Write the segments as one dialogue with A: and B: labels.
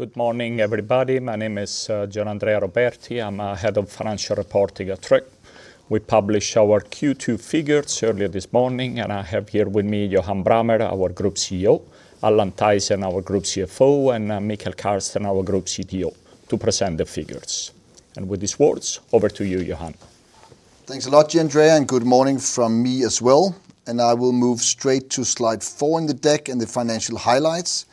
A: Good morning, everybody. My name is Gianandrea Roberti. I'm the Head of Financial Reporting at Tryg. We published our Q2 figures earlier this morning, and I have here with me Johan Brammer, our Group CEO, Allan Thaysen, our Group CFO, and Mikael Kärsten, our Group CTO, to present the figures. With these words, over to you, Johan.
B: Thanks a lot, Gianandrea, and good morning from me as well. I will move straight to slide four in the deck and the financial highlights.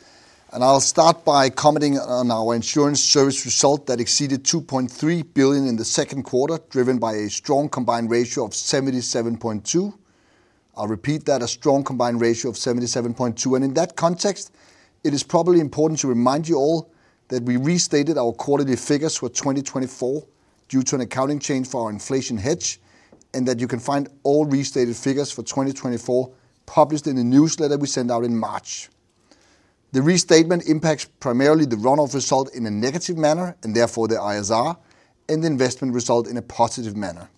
B: I will start by commenting on our insurance service result that exceeded 2.3 billion in the second quarter, driven by a strong combined ratio of 77.2%. I will repeat that: a strong combined ratio of 77.2%. In that context, it is probably important to remind you all that we restated our quarterly figures for 2024 due to an accounting change for our inflation hedge, and that you can find all restated figures for 2024 published in the newsletter we sent out in March. The restatement impacts primarily the runoff result in a negative manner, and therefore the ISR, and the investment result in a positive manner.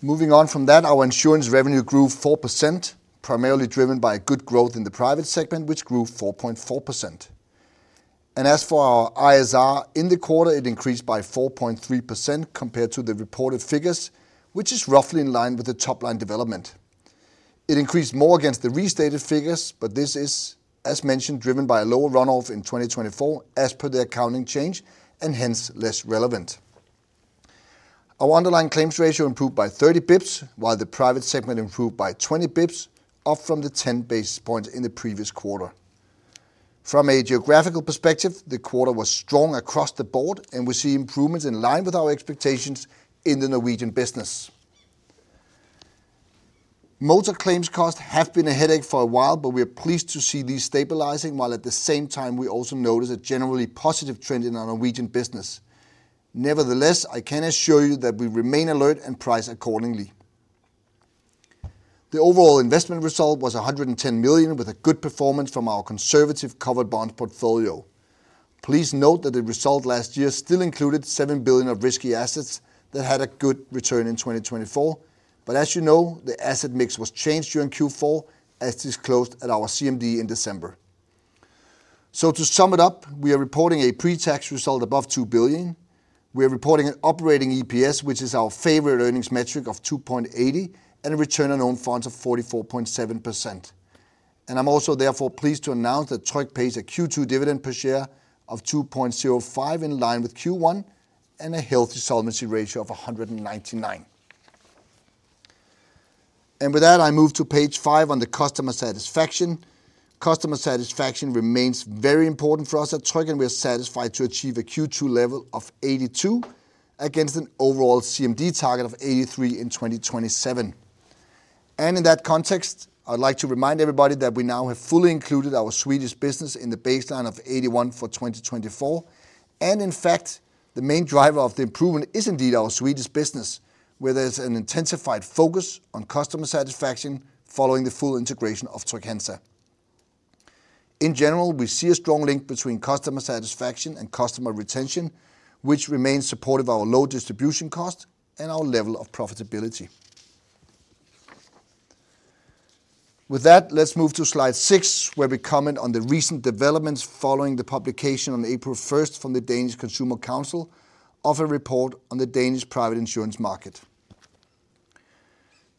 B: Moving on from that, our insurance revenue grew 4%, primarily driven by good growth in the private segment, which grew 4.4%. As for our ISR in the quarter, it increased by 4.3% compared to the reported figures, which is roughly in line with the top-line development. It increased more against the restated figures, but this is, as mentioned, driven by a lower runoff in 2024 as per the accounting change and hence less relevant. Our underlying claims ratio improved by 30 basis points, while the private segment improved by 20 basis points, up from the 10 basis points in the previous quarter. From a geographical perspective, the quarter was strong across the board, and we see improvements in line with our expectations in the Norwegian business. Motor claims costs have been a headache for a while, but we are pleased to see these stabilizing, while at the same time we also notice a generally positive trend in our Norwegian business. Nevertheless, I can assure you that we remain alert and price accordingly. The overall investment result was 110 million, with a good performance from our conservative covered bonds portfolio. Please note that the result last year still included 7 billion of risky assets that had a good return in 2024. As you know, the asset mix was changed during Q4, as disclosed at our CMD in December. To sum it up, we are reporting a pre-tax result above 2 billion. We are reporting an operating EPS, which is our favorite earnings metric, of 2.80, and a return on own funds of 44.7%. I'm also therefore pleased to announce that Tryg pays a Q2 dividend per share of 2.05 in line with Q1 and a healthy solvency ratio of 199%. With that, I move to page five on the customer satisfaction. Customer satisfaction remains very important for us at Tryg, and we are satisfied to achieve a Q2 level of 82 against an overall CMD target of 83 in 2027. In that context, I'd like to remind everybody that we now have fully included our Swedish business in the baseline of 81 for 2024. In fact, the main driver of the improvement is indeed our Swedish business, whether it's an intensified focus on customer satisfaction following the full integration of Trygg-Hansa. In general, we see a strong link between customer satisfaction and customer retention, which remains supportive of our low distribution cost and our level of profitability. With that, let's move to slide six, where we comment on the recent developments following the publication on April 1st from the Danish Consumer Council of a report on the Danish private insurance market.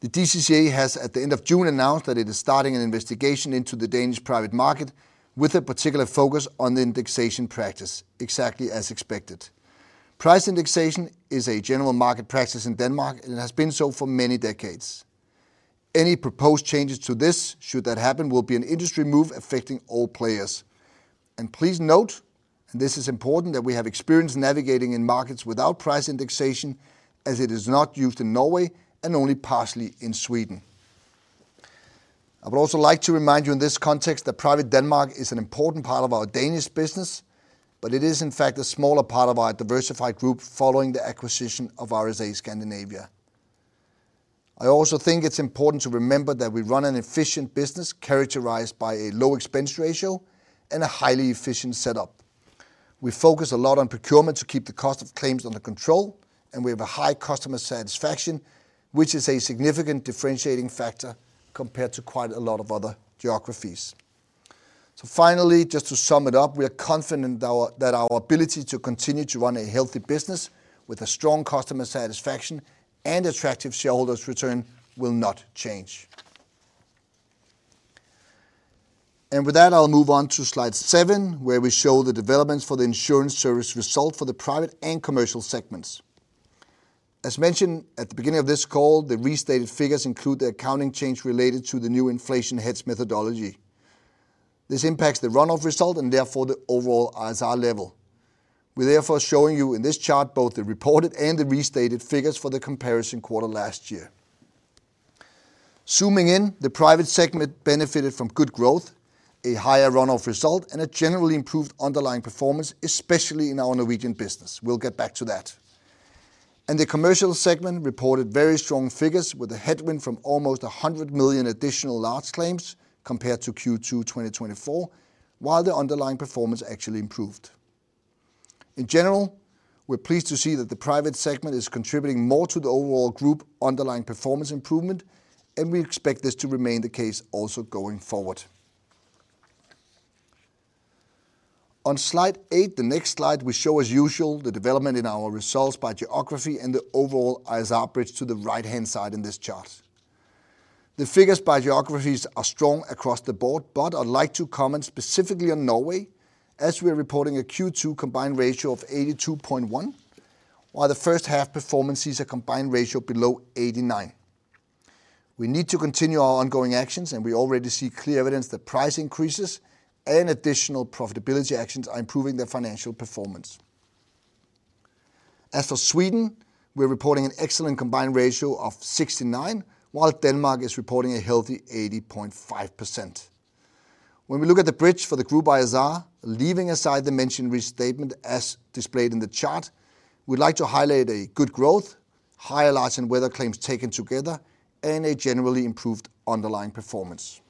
B: The DCCA has, at the end of June, announced that it is starting an investigation into the Danish private market with a particular focus on the indexation practice, exactly as expected. Price indexation is a general market practice in Denmark, and it has been so for many decades. Any proposed changes to this, should that happen, will be an industry move affecting all players. Please note, and this is important, that we have experience navigating in markets without price indexation, as it is not used in Norway and only partially in Sweden. I would also like to remind you in this context that private Denmark is an important part of our Danish business, but it is in fact a smaller part of our diversified group following the acquisition of RSA Scandinavia. I also think it's important to remember that we run an efficient business characterized by a low expense ratio and a highly efficient setup. We focus a lot on procurement to keep the cost of claims under control, and we have a high customer satisfaction, which is a significant differentiating factor compared to quite a lot of other geographies. Finally, just to sum it up, we are confident that our ability to continue to run a healthy business with a strong customer satisfaction and attractive shareholders' return will not change. With that, I'll move on to slide seven, where we show the developments for the insurance service result for the private and commercial segments. As mentioned at the beginning of this call, the restated figures include the accounting change related to the new inflation hedge methodology. This impacts the runoff result and therefore the overall ISR level. We're therefore showing you in this chart both the reported and the restated figures for the comparison quarter last year. Zooming in, the private segment benefited from good growth, a higher runoff result, and a generally improved underlying performance, especially in our Norwegian business. We'll get back to that. The commercial segment reported very strong figures with a headwind from almost 100 million additional large claims compared to Q2 2024, while the underlying performance actually improved. In general, we're pleased to see that the private segment is contributing more to the overall group underlying performance improvement, and we expect this to remain the case also going forward. On slide eight, the next slide, we show, as usual, the development in our results by geography and the overall ISR bridge to the right-hand side in this chart. The figures by geographies are strong across the board, but I'd like to comment specifically on Norway, as we are reporting a Q2 combined ratio of 82.1%, while the first-half performance sees a combined ratio below 89%. We need to continue our ongoing actions, and we already see clear evidence that price increases and additional profitability actions are improving their financial performance. As for Sweden, we're reporting an excellent combined ratio of 69%, while Denmark is reporting a healthy 80.5%. When we look at the bridge for the group ISR, leaving aside the mentioned restatement as displayed in the chart, we'd like to highlight a good growth, higher large and weather claims taken together, and a generally improved underlying performance.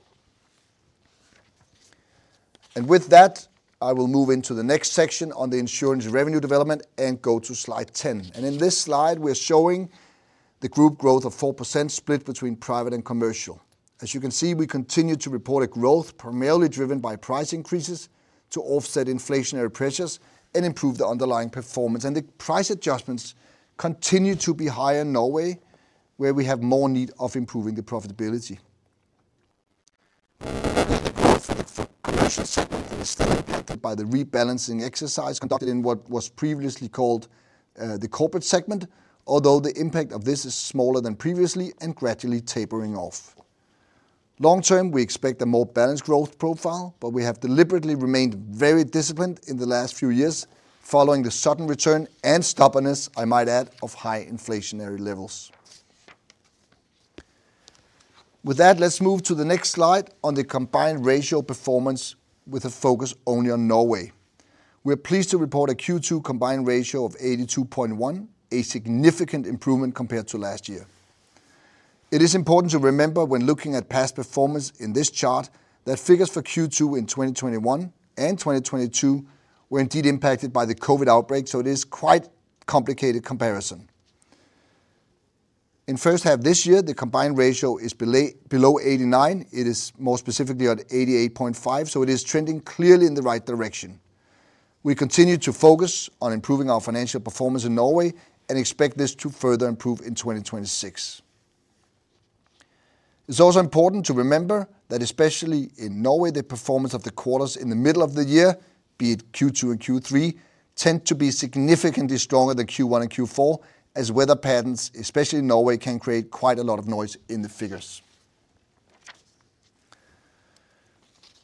B: With that, I will move into the next section on the insurance revenue development and go to slide 10. In this slide, we're showing the group growth of 4% split between private and commercial. As you can see, we continue to report a growth primarily driven by price increases to offset inflationary pressures and improve the underlying performance. The price adjustments continue to be higher in Norway, where we have more need of improving the profitability. The growth of the commercial segment is still impacted by the rebalancing exercise conducted in what was previously called. The corporate segment, although the impact of this is smaller than previously and gradually tapering off. Long term, we expect a more balanced growth profile, but we have deliberately remained very disciplined in the last few years following the sudden return and stubbornness, I might add, of high inflationary levels. With that, let's move to the next slide on the combined ratio performance with a focus only on Norway. We're pleased to report a Q2 combined ratio of 82.1%, a significant improvement compared to last year. It is important to remember when looking at past performance in this chart that figures for Q2 in 2021 and 2022 were indeed impacted by the COVID outbreak, so it is quite a complicated comparison. In first half this year, the combined ratio is below 89%. It is more specifically at 88.5%, so it is trending clearly in the right direction. We continue to focus on improving our financial performance in Norway and expect this to further improve in 2026. It is also important to remember that especially in Norway, the performance of the quarters in the middle of the year, be it Q2 and Q3, tend to be significantly stronger than Q1 and Q4, as weather patterns, especially in Norway, can create quite a lot of noise in the figures.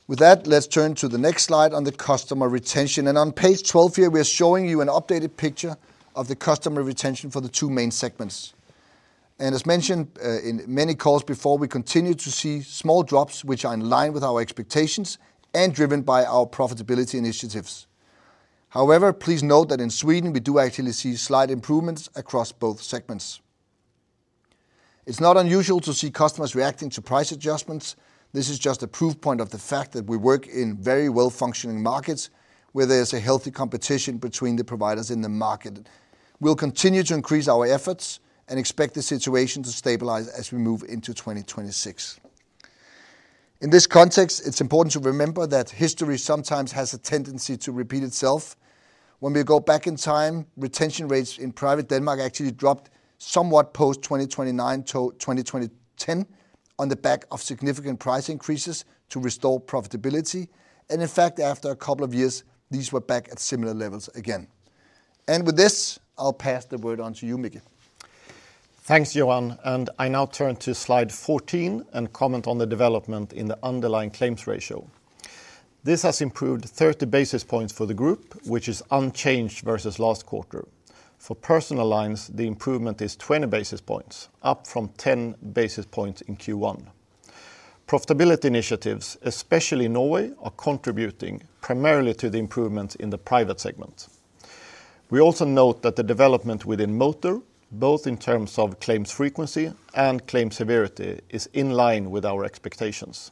B: With that, let's turn to the next slide on the customer retention. On page 12 here, we are showing you an updated picture of the customer retention for the two main segments. As mentioned in many calls before, we continue to see small drops, which are in line with our expectations and driven by our profitability initiatives. However, please note that in Sweden, we do actually see slight improvements across both segments. It's not unusual to see customers reacting to price adjustments. This is just a proof point of the fact that we work in very well-functioning markets where there is a healthy competition between the providers in the market. We'll continue to increase our efforts and expect the situation to stabilize as we move into 2026. In this context, it's important to remember that history sometimes has a tendency to repeat itself. When we go back in time, retention rates in private Denmark actually dropped somewhat post-2009 to 2010 on the back of significant price increases to restore profitability. In fact, after a couple of years, these were back at similar levels again. With this, I'll pass the word on to you, Mikael.
C: Thanks, Johan. I now turn to slide 14 and comment on the development in the underlying claims ratio. This has improved 30 basis points for the group, which is unchanged versus last quarter. For personal lines, the improvement is 20 basis points, up from 10 basis points in Q1. Profitability initiatives, especially in Norway, are contributing primarily to the improvements in the private segment. We also note that the development within Motor, both in terms of claims frequency and claims severity, is in line with our expectations.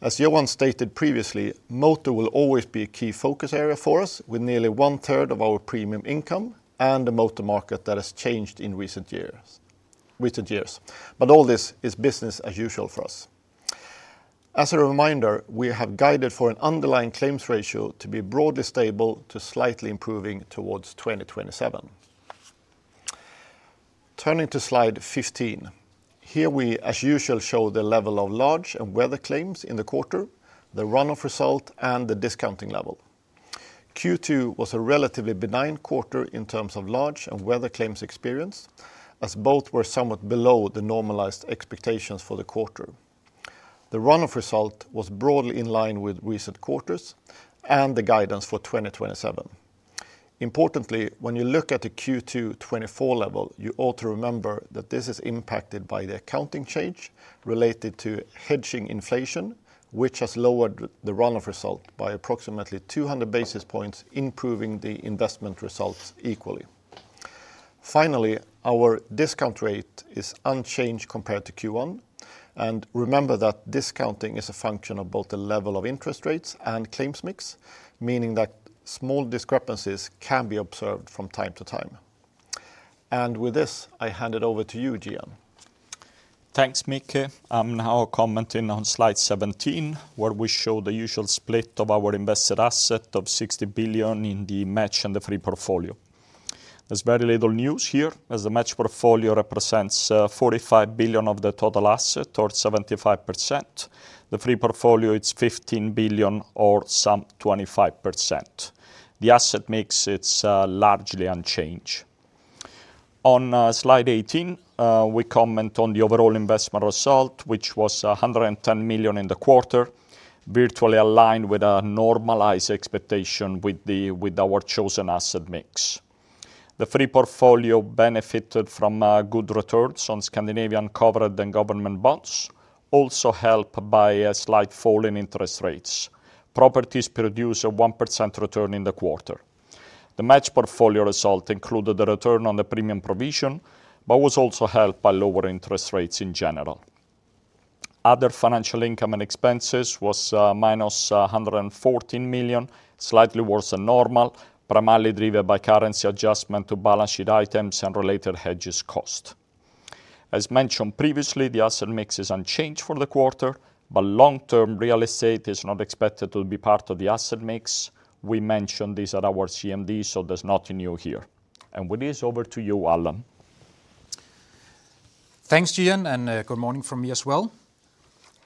C: As Johan stated previously, Motor will always be a key focus area for us, with nearly one-third of our premium income and a Motor market that has changed in recent years. All this is business as usual for us. As a reminder, we have guided for an underlying claims ratio to be broadly stable to slightly improving towards 2027. Turning to slide 15, here we, as usual, show the level of large and weather claims in the quarter, the runoff result, and the discounting level. Q2 was a relatively benign quarter in terms of large and weather claims experience, as both were somewhat below the normalized expectations for the quarter. The runoff result was broadly in line with recent quarters and the guidance for 2027. Importantly, when you look at the Q2 2024 level, you ought to remember that this is impacted by the accounting change related to hedging inflation, which has lowered the runoff result by approximately 200 basis points, improving the investment results equally. Finally, our discount rate is unchanged compared to Q1. Remember that discounting is a function of both the level of interest rates and claims mix, meaning that small discrepancies can be observed from time to time. With this, I hand it over to you, Gian.
A: Thanks, Mikael. I'm now commenting on slide 17, where we show the usual split of our invested asset of 60 billion in the match and the free portfolio. There's very little news here, as the match portfolio represents 45 billion of the total asset or 75%. The free portfolio is 15 billion or some 25%. The asset mix is largely unchanged. On slide 18, we comment on the overall investment result, which was 110 million in the quarter, virtually aligned with a normalized expectation with our chosen asset mix. The free portfolio benefited from good returns on Scandinavian covered and government bonds, also helped by a slight fall in interest rates. Properties produced a 1% return in the quarter. The match portfolio result included a return on the premium provision, but was also helped by lower interest rates in general. Other financial income and expenses was -114 million, slightly worse than normal, primarily driven by currency adjustment to balance sheet items and related hedges cost. As mentioned previously, the asset mix is unchanged for the quarter, but long-term real estate is not expected to be part of the asset mix. We mentioned this at our CMD, so there is nothing new here. With this, over to you, Allan.
D: Thanks, Gian, and good morning from me as well.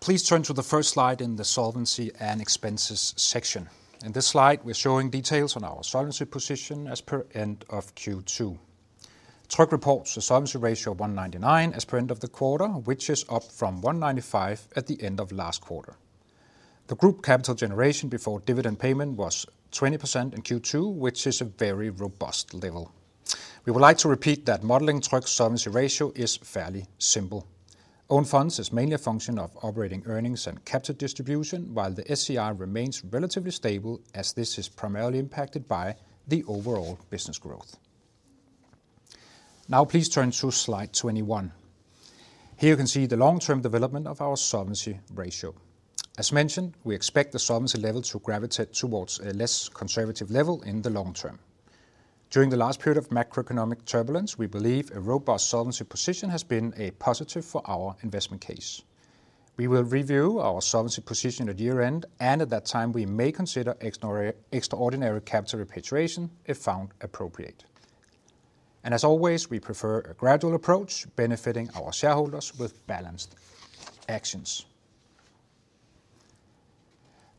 D: Please turn to the first slide in the solvency and expenses section. In this slide, we are showing details on our solvency position as per end of Q2. Tryg reports a solvency ratio of 199% as per end of the quarter, which is up from 195% at the end of last quarter. The group capital generation before dividend payment was 20% in Q2, which is a very robust level. We would like to repeat that modeling Tryg's solvency ratio is fairly simple. Own funds is mainly a function of operating earnings and capital distribution, while the SCR remains relatively stable, as this is primarily impacted by the overall business growth. Now, please turn to slide 21. Here you can see the long-term development of our solvency ratio. As mentioned, we expect the solvency level to gravitate towards a less conservative level in the long term. During the last period of macroeconomic turbulence, we believe a robust solvency position has been positive for our investment case. We will review our solvency position at year-end, and at that time, we may consider extraordinary capital repatriation if found appropriate. As always, we prefer a gradual approach, benefiting our shareholders with balanced actions.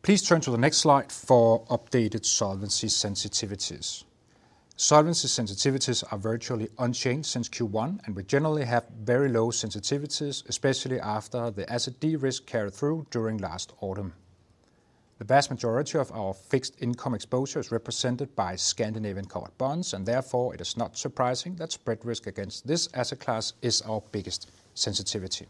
D: Please turn to the next slide for updated solvency sensitivities. Solvency sensitivities are virtually unchanged since Q1, and we generally have very low sensitivities, especially after the asset de-risk carried through during last autumn. The vast majority of our fixed income exposure is represented by Scandinavian covered bonds, and therefore, it is not surprising that spread risk against this asset class is our biggest sensitivity.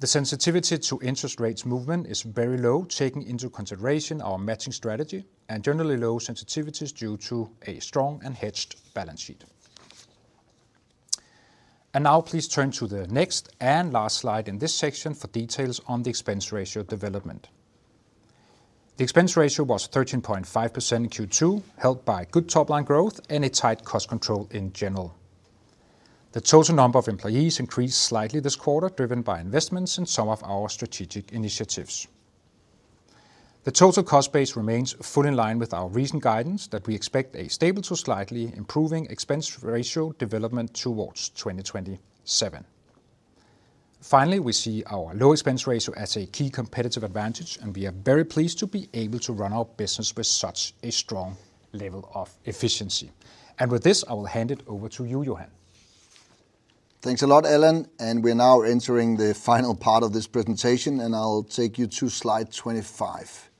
D: The sensitivity to interest rates movement is very low, taking into consideration our matching strategy and generally low sensitivities due to a strong and hedged balance sheet. Now, please turn to the next and last slide in this section for details on the expense ratio development. The expense ratio was 13.5% in Q2, held by good top-line growth and a tight cost control in general. The total number of employees increased slightly this quarter, driven by investments and some of our strategic initiatives. The total cost base remains fully in line with our recent guidance that we expect a stable to slightly improving expense ratio development towards 2027. Finally, we see our low expense ratio as a key competitive advantage, and we are very pleased to be able to run our business with such a strong level of efficiency. With this, I will hand it over to you, Johan.
B: Thanks a lot, Allan. We are now entering the final part of this presentation, and I'll take you to slide 25.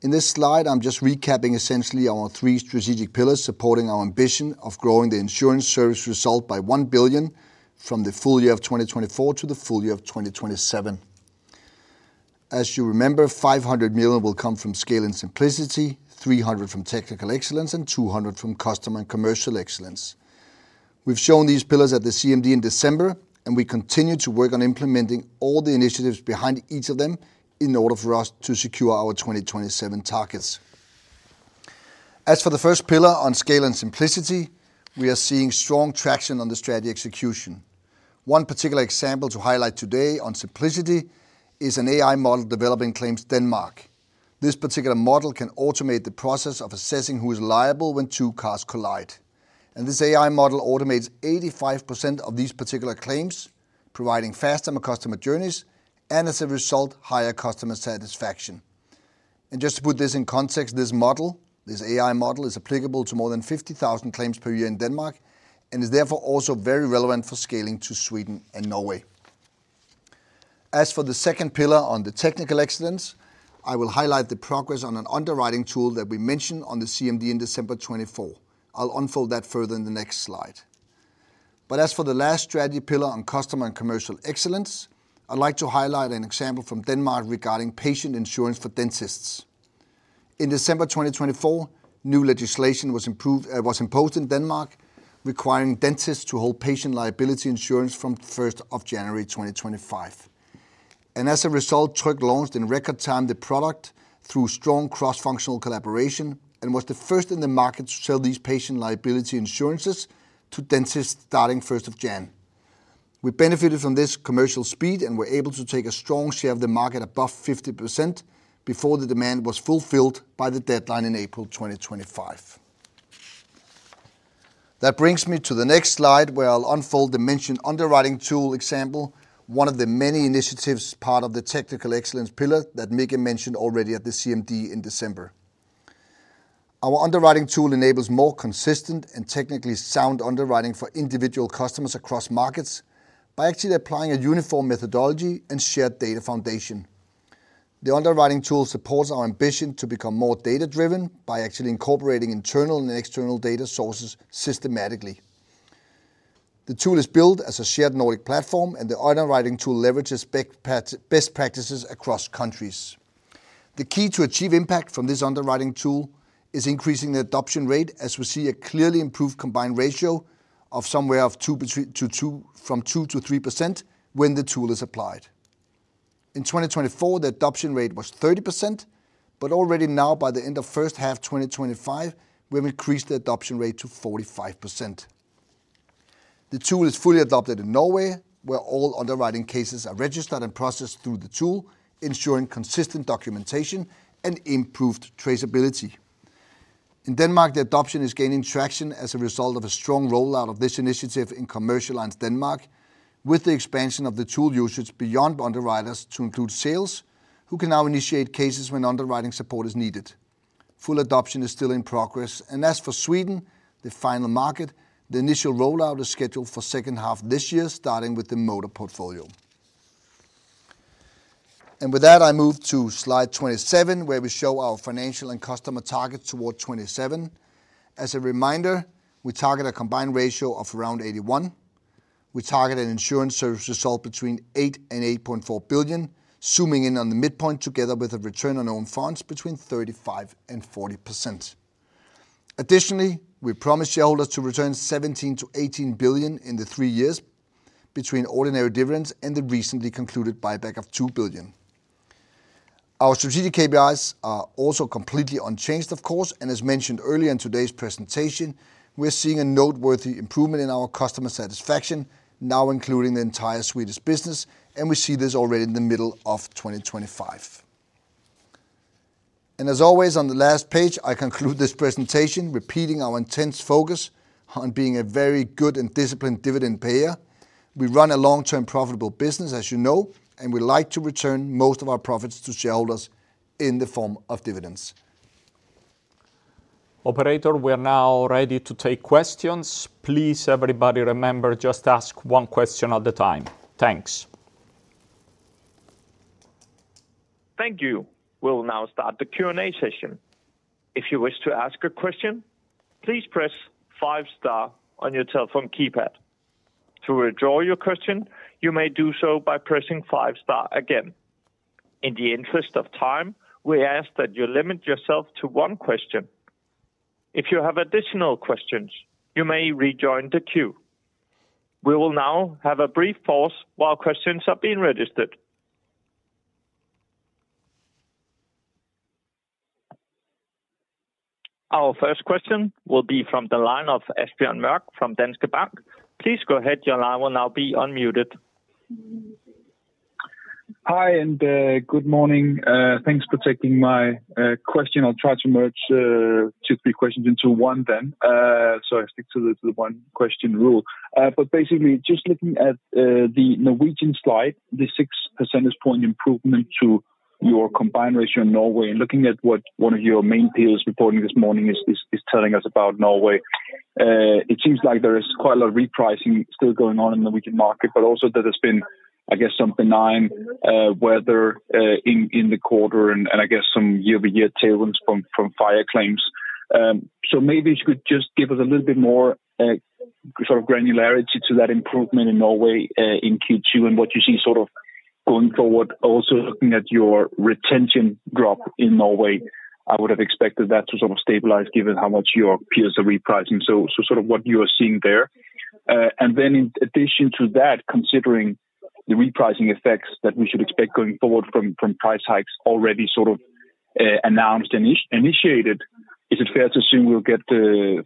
B: In this slide, I'm just recapping essentially our three strategic pillars supporting our ambition of growing the insurance service result by 1 billion from the full year of 2024 to the full year of 2027. As you remember, 500 million will come from Scale and Simplicity, 300 million from Technical Excellence, and 200 million from Customer and Commercial Excellence. We've shown these pillars at the CMD in December, and we continue to work on implementing all the initiatives behind each of them in order for us to secure our 2027 targets. As for the first pillar on Scale and Simplicity, we are seeing strong traction on the strategy execution. One particular example to highlight today on Simplicity is an AI model developed in Claims Denmark. This particular model can automate the process of assessing who is liable when two cars collide. This AI model automates 85% of these particular claims, providing faster customer journeys and, as a result, higher customer satisfaction. Just to put this in context, this AI model is applicable to more than 50,000 claims per year in Denmark and is therefore also very relevant for scaling to Sweden and Norway. As for the second pillar on the Technical Excellence, I will highlight the progress on an underwriting tool that we mentioned on the CMD in December 2024. I'll unfold that further in the next slide. As for the last strategy pillar on Customer and Commercial Excellence, I'd like to highlight an example from Denmark regarding patient insurance for dentists. In December 2024, new legislation was imposed in Denmark requiring dentists to hold patient liability insurance from January 1, 2025. As a result, Tryg launched in record time the product through strong cross-functional collaboration and was the first in the market to sell these patient liability insurances to dentists starting January 1. We benefited from this commercial speed and were able to take a strong share of the market above 50% before the demand was fulfilled by the deadline in April 2025. That brings me to the next slide where I'll unfold the mentioned underwriting tool example, one of the many initiatives part of the Technical Excellence pillar that Mikael mentioned already at the CMD in December. Our underwriting tool enables more consistent and technically sound underwriting for individual customers across markets by actually applying a uniform methodology and shared data foundation. The underwriting tool supports our ambition to become more data-driven by actually incorporating internal and external data sources systematically. The tool is built as a shared Nordic platform, and the underwriting tool leverages best practices across countries. The key to achieve impact from this underwriting tool is increasing the adoption rate as we see a clearly improved combined ratio of somewhere from 2% -3% when the tool is applied. In 2024, the adoption rate was 30%, but already now, by the end of first half 2025, we have increased the adoption rate to 45%. The tool is fully adopted in Norway, where all underwriting cases are registered and processed through the tool, ensuring consistent documentation and improved traceability. In Denmark, the adoption is gaining traction as a result of a strong rollout of this initiative in Commercial Lines Denmark with the expansion of the tool usage beyond underwriters to include sales, who can now initiate cases when underwriting support is needed. Full adoption is still in progress. As for Sweden, the final market, the initial rollout is scheduled for second half this year, starting with the Motor portfolio. With that, I move to slide 27, where we show our financial and customer targets toward 2027. As a reminder, we target a combined ratio of around 81. We target an insurance service result between 8 billion and 8.4 billion, zooming in on the midpoint together with a return on own funds between 35% and 40%. Additionally, we promise shareholders to return 17 billion-18 billion in the three years between ordinary dividends and the recently concluded buyback of 2 billion. Our strategic KPIs are also completely unchanged, of course. As mentioned earlier in today's presentation, we're seeing a noteworthy improvement in our customer satisfaction, now including the entire Swedish business. We see this already in the middle of 2025. As always, on the last page, I conclude this presentation repeating our intense focus on being a very good and disciplined dividend payer. We run a long-term profitable business, as you know, and we like to return most of our profits to shareholders in the form of dividends.
A: Operator, we are now ready to take questions. Please, everybody remember, just ask one question at a time. Thanks.
E: Thank you. We'll now start the Q&A session. If you wish to ask a question, please press five-star on your telephone keypad. To withdraw your question, you may do so by pressing five-star again. In the interest of time, we ask that you limit yourself to one question. If you have additional questions, you may rejoin the queue. We will now have a brief pause while questions are being registered. Our first question will be from the line of Asbjørn Mørk from Danske Bank. Please go ahead. Your line will now be unmuted.
F: Hi, and good morning. Thanks for taking my question. I'll try to merge two or three questions into one then, so I stick to the one-question rule. Basically, just looking at the Norwegian slide, the 6 percentage point improvement to your combined ratio in Norway, and looking at what one of your main peers reporting this morning is telling us about Norway. It seems like there is quite a lot of repricing still going on in the Norwegian market, but also that there's been, I guess, some benign weather in the quarter and, I guess, some year-over-year tailwinds from fire claims. Maybe you could just give us a little bit more sort of granularity to that improvement in Norway in Q2 and what you see sort of going forward, also looking at your retention drop in Norway. I would have expected that to sort of stabilize given how much your peers are repricing. Sort of what you are seeing there. In addition to that, considering the repricing effects that we should expect going forward from price hikes already sort of announced and initiated, is it fair to assume we'll get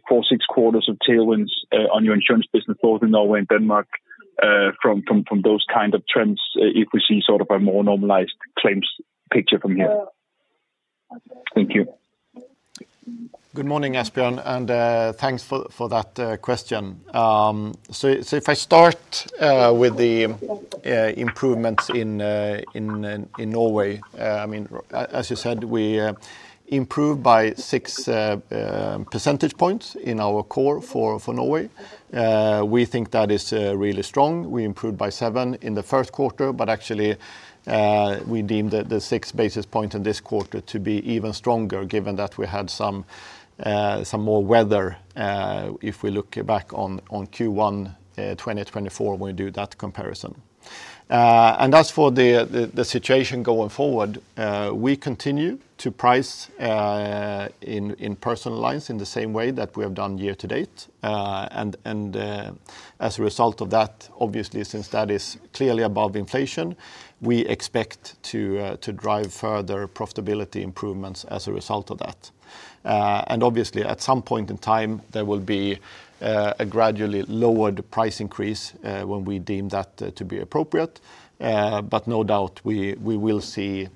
F: four-six quarters of tailwinds on your insurance business both in Norway and Denmark from those kinds of trends if we see sort of a more normalized claims picture from here? Thank you.
C: Good morning, Asbjørn, and thanks for that question. If I start with the improvements in Norway, I mean, as you said, we improved by six percentage points in our core for Norway. We think that is really strong. We improved by seven in the first quarter, but actually we deemed the six percentage points in this quarter to be even stronger, given that we had some more weather if we look back on Q1 2024 when we do that comparison. As for the situation going forward, we continue to price in personal lines in the same way that we have done year to date. As a result of that, obviously, since that is clearly above inflation, we expect to drive further profitability improvements as a result of that. Obviously, at some point in time, there will be a gradually lowered price increase when we deem that to be appropriate. No doubt, we will see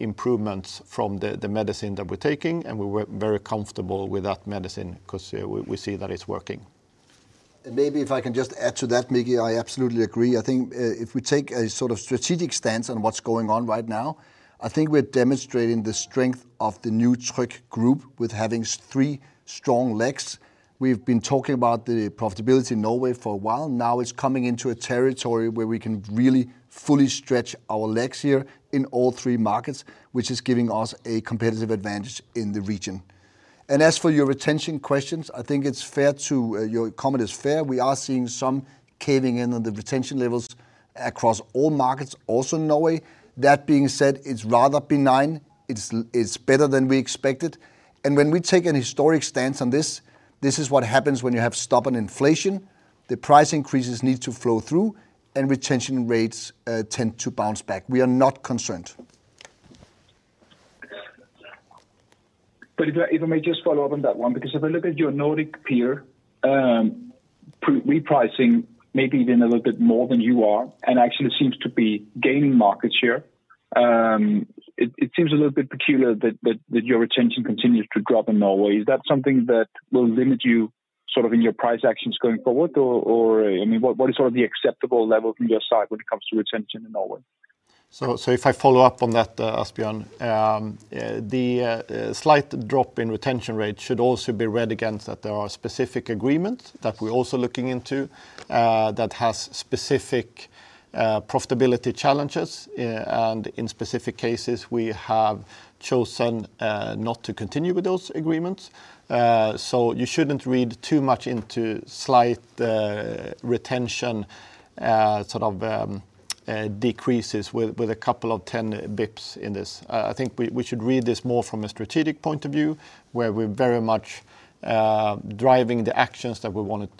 C: improvements from the medicine that we're taking, and we're very comfortable with that medicine because we see that it's working. Maybe if I can just add to that, Mikkel, I absolutely agree. I think if we take a sort of strategic stance on what's going on right now, I think we're demonstrating the strength of the new Tryg Group with having three strong legs. We've been talking about the profitability in Norway for a while. Now it's coming into a territory where we can really fully stretch our legs here in all three markets, which is giving us a competitive advantage in the region. As for your retention questions, I think your comment is fair. We are seeing some caving in on the retention levels across all markets, also in Norway. That being said, it's rather benign. It's better than we expected. When we take a historic stance on this, this is what happens when you have stubborn inflation. The price increases need to flow through, and retention rates tend to bounce back. We are not concerned.
F: If I may just follow up on that one, because if I look at your Nordic peer. Repricing maybe even a little bit more than you are and actually seems to be gaining market share. It seems a little bit peculiar that your retention continues to drop in Norway. Is that something that will limit you sort of in your price actions going forward? Or, I mean, what is sort of the acceptable level from your side when it comes to retention in Norway?
C: If I follow up on that, Asbjørn, the slight drop in retention rate should also be read against that there are specific agreements that we are also looking into that have specific profitability challenges. In specific cases, we have chosen not to continue with those agreements. You should not read too much into slight retention decreases with a couple of 10 basis points in this. I think we should read this more from a strategic point of view, where we're very much driving the actions that we want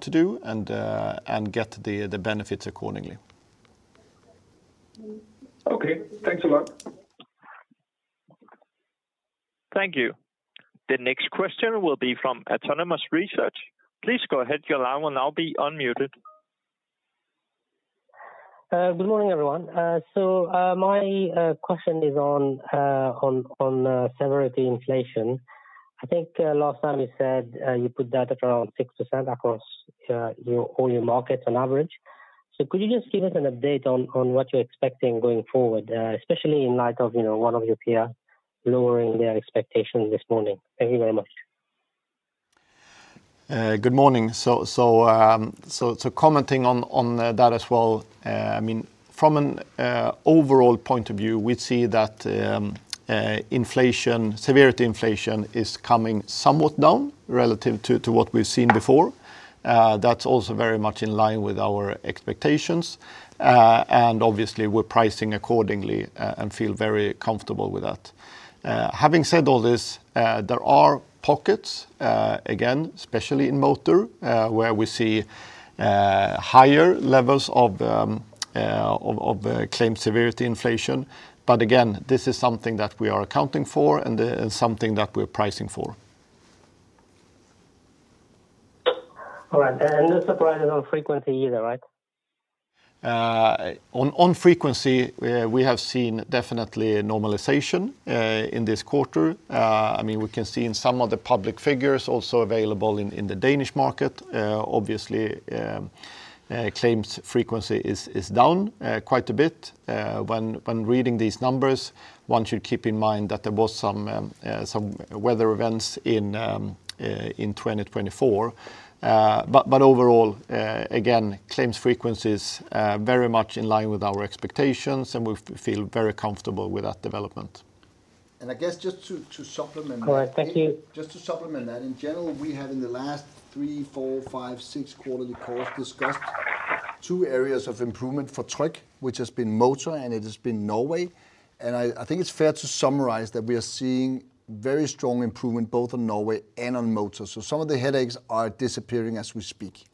C: to do and get the benefits accordingly.
F: Okay. Thanks a lot.
E: Thank you. The next question will be from Autonomous Research. Please go ahead. Your line will now be unmuted.
G: Good morning, everyone. My question is on severity inflation. I think last time you said you put that at around 6% across all your markets on average. Could you just give us an update on what you're expecting going forward, especially in light of one of your peers lowering their expectations this morning? Thank you very much.
C: Good morning. Commenting on that as well, I mean, from an overall point of view, we see that severity inflation is coming somewhat down relative to what we've seen before. That's also very much in line with our expectations. Obviously, we're pricing accordingly and feel very comfortable with that. Having said all this, there are pockets, again, especially in motor, where we see higher levels of claim severity inflation. Again, this is something that we are accounting for and something that we're pricing for.
G: All right. No surprise on frequency either, right?
C: On frequency, we have seen definitely normalization in this quarter. I mean, we can see in some of the public figures also available in the Danish market. Obviously, claims frequency is down quite a bit. When reading these numbers, one should keep in mind that there were some weather events in 2024. Overall, again, claims frequency is very much in line with our expectations, and we feel very comfortable with that development. I guess just to supplement that.
G: All right. Thank you.
B: Just to supplement that, in general, we have in the last three, four, five, six quarterly calls discussed two areas of improvement for Tryg, which has been motor, and it has been Norway. I think it's fair to summarize that we are seeing very strong improvement both on Norway and on motor. Some of the headaches are disappearing as we speak.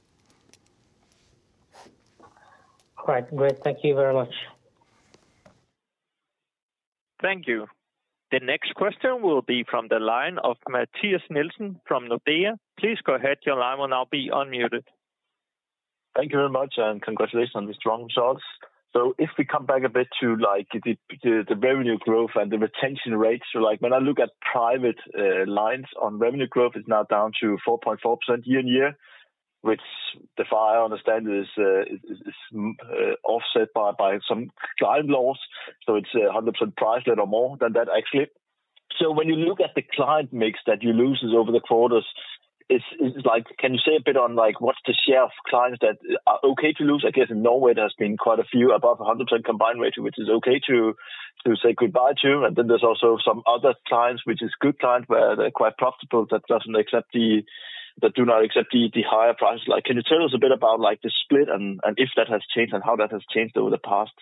G: All right. Great. Thank you very much.
E: Thank you. The next question will be from the line of Mathias Nielsen from Nordea. Please go ahead. Your line will now be unmuted.
H: Thank you very much, and congratulations on the strong results. If we come back a bit to the revenue growth and the retention rates, when I look at private lines on revenue growth, it's now down to 4.4% year-on-year, which, if I understand it, is offset by some client loss. It is 100% price letter, more than that, actually. When you look at the client mix that you lose over the quarters, can you say a bit on what is the share of clients that are okay to lose? I guess in Norway, there have been quite a few above 100% combined ratio, which is okay to say goodbye to. Then there are also some other clients, which are good clients where they are quite profitable that do not accept the higher prices. Can you tell us a bit about the split and if that has changed and how that has changed over the past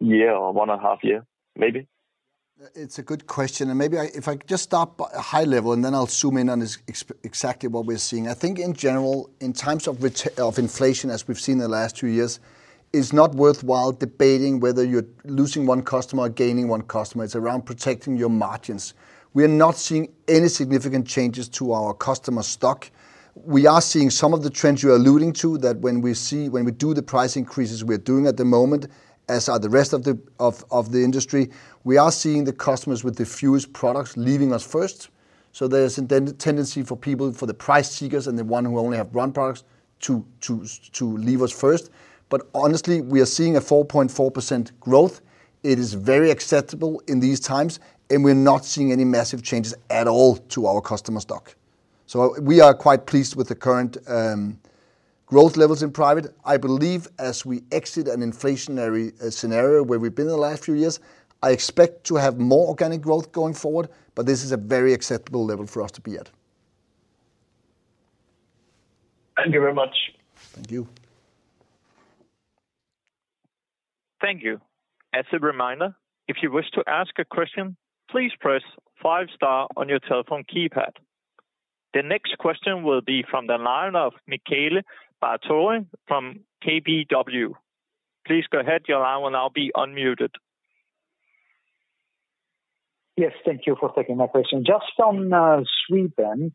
H: year or one and a half year, maybe?
C: It is a good question. Maybe if I just stop high level, and then I will zoom in on exactly what we are seeing. I think, in general, in times of inflation, as we've seen in the last two years, it's not worthwhile debating whether you're losing one customer or gaining one customer. It's around protecting your margins. We are not seeing any significant changes to our customer stock. We are seeing some of the trends you're alluding to, that when we do the price increases we're doing at the moment, as are the rest of the industry, we are seeing the customers with the fewest products leaving us first. There is a tendency for people, for the price seekers and the ones who only have one product, to leave us first. Honestly, we are seeing a 4.4% growth. It is very acceptable in these times, and we're not seeing any massive changes at all to our customer stock. We are quite pleased with the current growth levels in private. I believe as we exit an inflationary scenario where we've been in the last few years, I expect to have more organic growth going forward, but this is a very acceptable level for us to be at.
H: Thank you very much.
C: Thank you.
E: Thank you. As a reminder, if you wish to ask a question, please press five-star on your telephone keypad. The next question will be from the line of Michele Ballatore from KBW. Please go ahead. Your line will be unmuted.
I: Yes. Thank you for taking that question. Just from Sweden,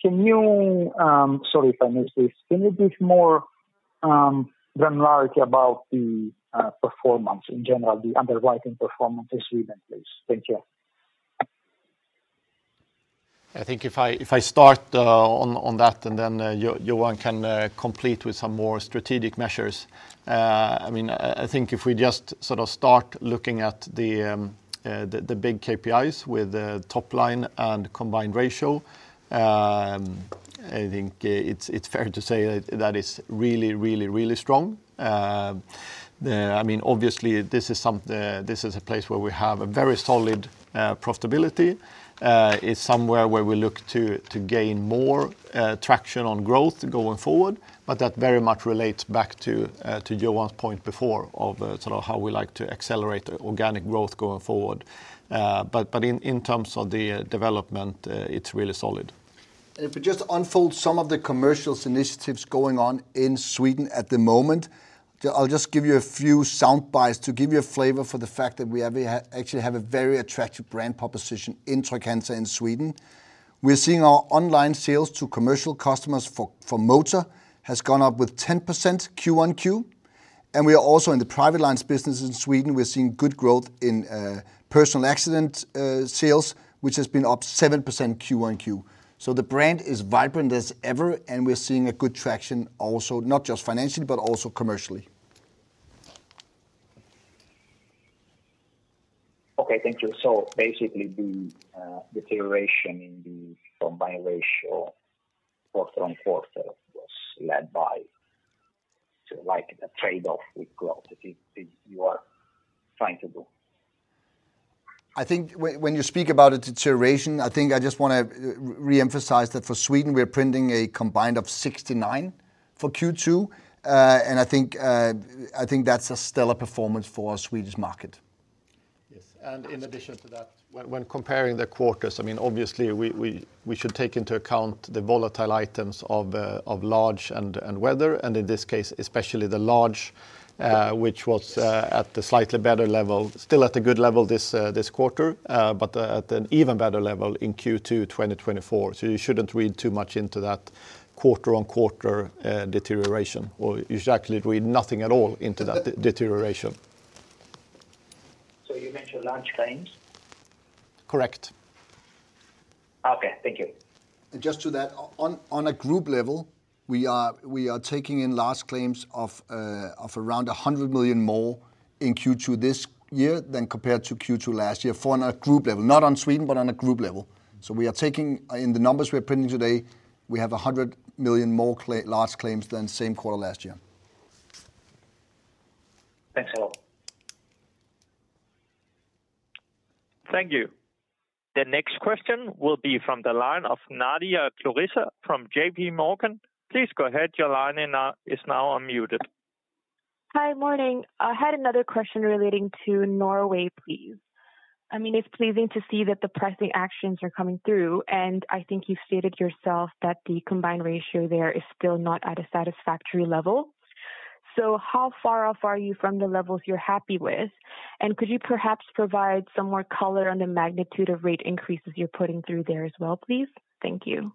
I: can you—sorry if I missed this—can you give more granularity about the performance in general, the underwriting performance in Sweden, please? Thank you.
C: I think if I start on that, and then Johan can complete with some more strategic measures. I mean, I think if we just sort of start looking at the. Big KPIs with top line and combined ratio. I think it's fair to say that it's really, really, really strong. I mean, obviously, this is a place where we have a very solid profitability. It's somewhere where we look to gain more traction on growth going forward, but that very much relates back to Johan's point before of sort of how we like to accelerate organic growth going forward. In terms of the development, it's really solid.
B: If we just unfold some of the commercial initiatives going on in Sweden at the moment, I'll just give you a few soundbites to give you a flavor for the fact that we actually have a very attractive brand proposition in Trygg-Hansa in Sweden. We're seeing our online sales to commercial customers for motor has gone up with 10% Q1Q. We are also in the private lines business in Sweden. We're seeing good growth in personal accident sales, which has been up 7% QoQ. The brand is vibrant as ever, and we're seeing good traction also, not just financially, but also commercially.
I: Okay. Thank you. Basically, the deterioration in the combined ratio quarter-on-quarter was led by a trade-off with growth if you are trying to do.
B: I think when you speak about the deterioration, I just want to re-emphasize that for Sweden, we're printing a combined of 69 for Q2. I think that's a stellar performance for Sweden's market.
C: Yes. In addition to that, when comparing the quarters, I mean, obviously, we should take into account the volatile items of large and weather, and in this case, especially the large, which was at the slightly better level, still at a good level this quarter, but at an even better level in Q2 2024. You should not read too much into that quarter-on-quarter deterioration, or you should actually read nothing at all into that deterioration.
I: You mentioned large claims?
C: Correct.
I: Okay. Thank you.
C: Just to that, on a group level, we are taking in large claims of around 100 million more in Q2 this year than compared to Q2 last year on a group level, not on Sweden, but on a group level. In the numbers we are printing today, we have 100 million more large claims than the same quarter last year.
I: Thanks a lot.
E: Thank you. The next question will be from the line of Nadia Claressa from JPMorgan. Please go ahead. Your line is now unmuted.
J: Hi, morning. I had another question relating to Norway, please. I mean, it's pleasing to see that the pricing actions are coming through, and I think you stated yourself that the combined ratio there is still not at a satisfactory level. How far off are you from the levels you're happy with? Could you perhaps provide some more color on the magnitude of rate increases you're putting through there as well, please? Thank you.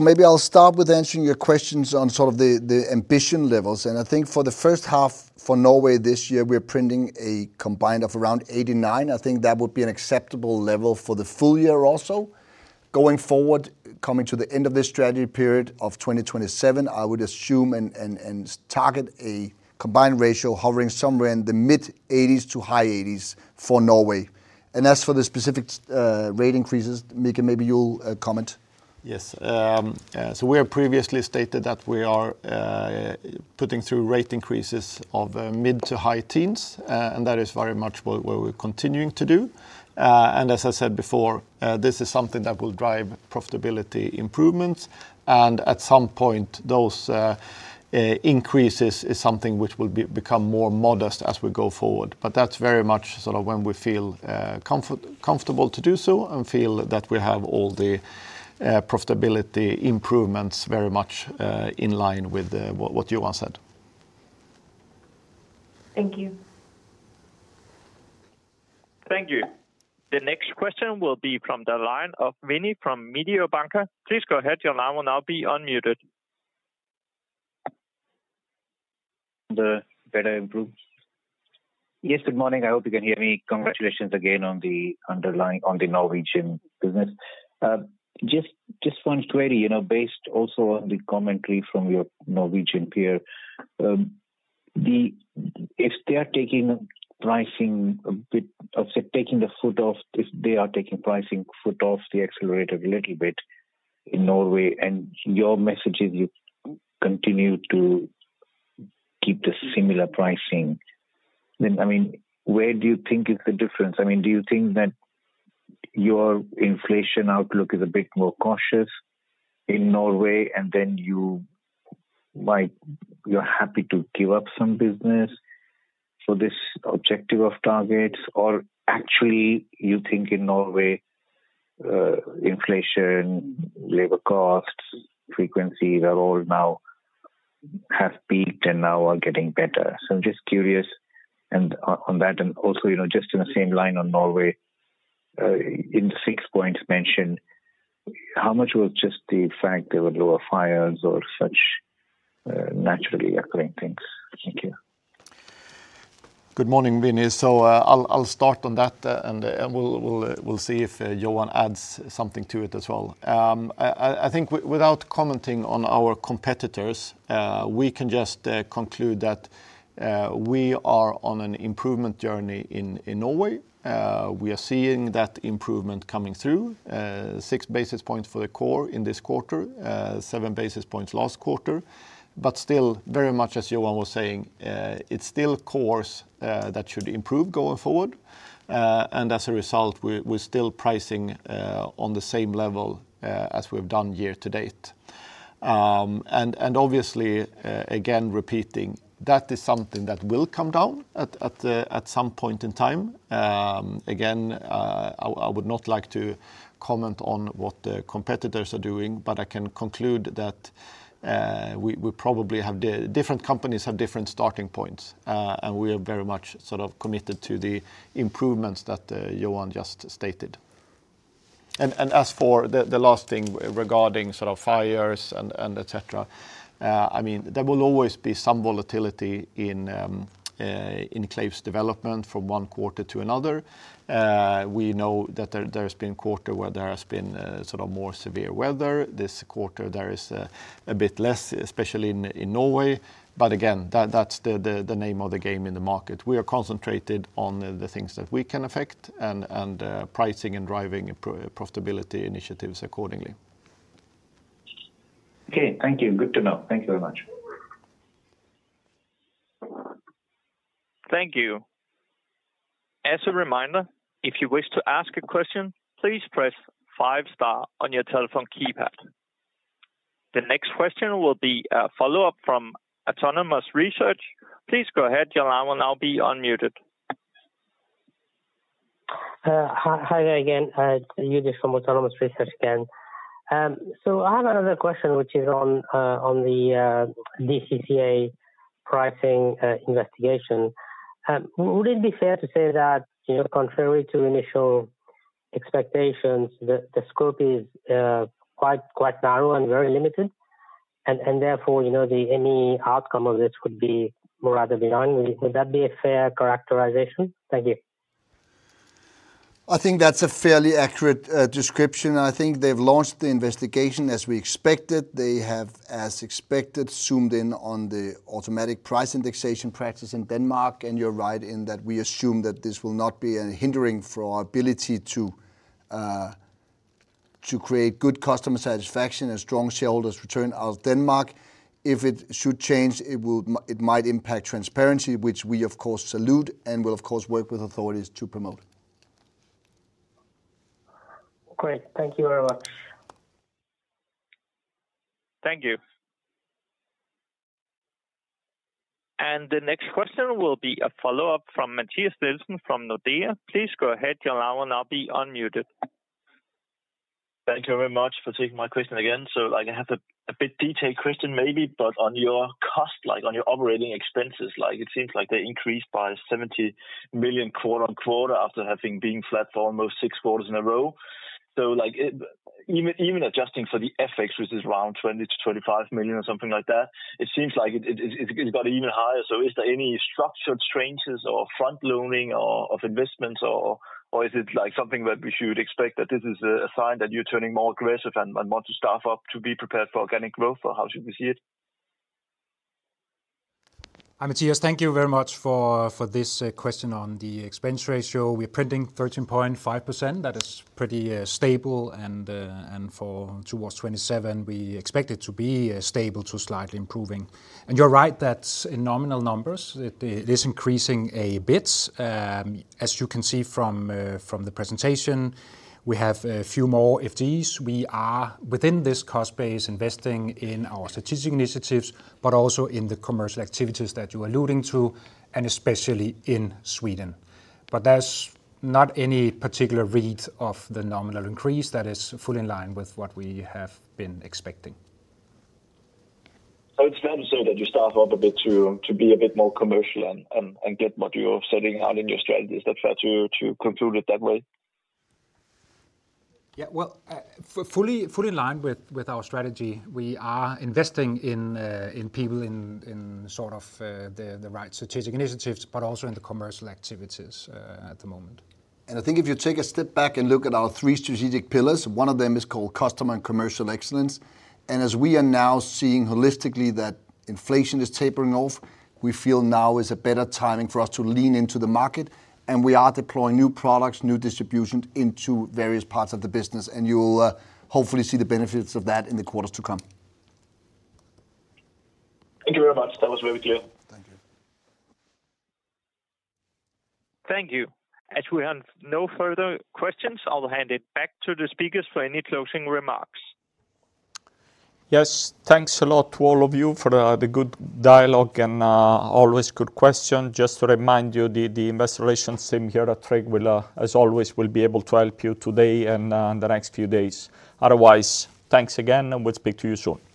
B: Maybe I'll start with answering your questions on sort of the ambition levels. I think for the first half for Norway this year, we're printing a combined of around 89. I think that would be an acceptable level for the full year also. Going forward, coming to the end of this strategy period of 2027, I would assume and target a combined ratio hovering somewhere in the mid-80s to high 80s for Norway. As for the specific rate increases, Mikael, maybe you'll comment.
C: Yes. We have previously stated that we are putting through rate increases of mid to high teens, and that is very much what we're continuing to do. As I said before, this is something that will drive profitability improvements. At some point, those increases are something which will become more modest as we go forward. That is very much sort of when we feel comfortable to do so and feel that we have all the profitability improvements very much in line with what Johan said.
J: Thank you.
E: Thank you. The next question will be from the line of Vinit from Mediobanca. Please go ahead. Your line will be unmuted.
K: The better improvements. Yes. Good morning. I hope you can hear me. Congratulations again on the Norwegian business. Just one query, based also on the commentary from your Norwegian peer. If they are taking pricing a bit of taking the foot off, if they are taking pricing foot off the accelerator a little bit in Norway, and your message is you continue to keep the similar pricing, then I mean, where do you think is the difference? I mean, do you think that your inflation outlook is a bit more cautious in Norway, and then you might be happy to give up some business for this objective of targets, or actually, you think in Norway inflation, labor costs, frequency are all now have peaked and now are getting better? I am just curious on that. Also, just in the same line on Norway. In the six points mentioned, how much was just the fact there were lower fires or such, naturally occurring things? Thank you.
C: Good morning, Vinit. I'll start on that, and we'll see if Johan adds something to it as well. I think, without commenting on our competitors, we can just conclude that we are on an improvement journey in Norway. We are seeing that improvement coming through. Six basis points for the core in this quarter, seven basis points last quarter. Still, very much as Johan was saying, it's still cores that should improve going forward. As a result, we're still pricing on the same level as we've done year to date. Obviously, again, repeating, that is something that will come down at some point in time again. I would not like to comment on what the competitors are doing, but I can conclude that. We probably have different companies have different starting points, and we are very much sort of committed to the improvements that Johan just stated. As for the last thing regarding sort of fires and etc., I mean, there will always be some volatility in claims development from one quarter to another. We know that there has been a quarter where there has been sort of more severe weather. This quarter, there is a bit less, especially in Norway. Again, that's the name of the game in the market. We are concentrated on the things that we can affect and pricing and driving profitability initiatives accordingly.
K: Okay. Thank you. Good to know. Thank you very much.
E: Thank you. As a reminder, if you wish to ask a question, please press five-star on your telephone keypad. The next question will be a follow-up from Autonomous Research. Please go ahead. Your line will now be unmuted.
G: Hi there again. It's Youdish from Autonomous Research again. I have another question, which is on the DCCA pricing investigation. Would it be fair to say that, contrary to initial expectations, the scope is quite narrow and very limited, and therefore, any outcome of this would be rather benign? Would that be a fair characterization? Thank you.
B: I think that's a fairly accurate description. I think they've launched the investigation as we expected. They have, as expected, zoomed in on the automatic price indexation practice in Denmark. You're right in that we assume that this will not be a hindering for our ability to. Create good customer satisfaction and strong shareholders' return out of Denmark. If it should change, it might impact transparency, which we, of course, salute and will, of course, work with authorities to promote.
G: Great. Thank you very much.
E: Thank you. The next question will be a follow-up from Mathias Nielsen from Nordea. Please go ahead, Johan, and I'll be unmuted.
H: Thank you very much for taking my question again. I have a bit detailed question maybe, but on your cost, on your operating expenses, it seems like they increased by 70 million quarter-on-quarter after being flat for almost six quarters in a row. Even adjusting for the FX, which is around 20 million-25 million or something like that, it seems like it's got even higher. Is there any structured changes or front loaning of investments, or is it something that we should expect that this is a sign that you're turning more aggressive and want to staff up to be prepared for organic growth, or how should we see it?
D: Hi, Mathias. Thank you very much for this question on the expense ratio. We're printing 13.5%. That is pretty stable. Towards 2027, we expect it to be stable to slightly improving. You're right that in nominal numbers, it is increasing a bit. As you can see from the presentation, we have a few more FDs. We are within this cost base investing in our strategic initiatives, but also in the commercial activities that you are alluding to, and especially in Sweden. There's not any particular read of the nominal increase. That is fully in line with what we have been expecting.
H: It's fair to say that you staff up a bit to be a bit more commercial and get what you're setting out in your strategy. Is that fair to conclude it that way?
D: Yeah. Fully in line with our strategy, we are investing in people in sort of the right strategic initiatives, but also in the commercial activities at the moment.
B: I think if you take a step back and look at our three strategic pillars, one of them is called Customer and Commercial Excellence. As we are now seeing holistically that inflation is tapering off, we feel now is a better timing for us to lean into the market. We are deploying new products, new distributions into various parts of the business. You'll hopefully see the benefits of that in the quarters to come.
H: Thank you very much. That was very clear.
B: Thank you.
E: Thank you. As we have no further questions, I'll hand it back to the speakers for any closing remarks.
A: Yes. Thanks a lot to all of you for the good dialogue and always good questions. Just to remind you, the investor relations team here at Tryg, as always, will be able to help you today and the next few days. Otherwise, thanks again, and we'll speak to you soon.